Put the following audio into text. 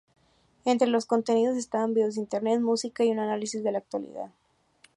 Entre los contenidos estaban videos de internet, música y un análisis de la actualidad.